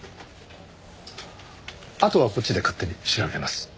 あとはこっちで勝手に調べます。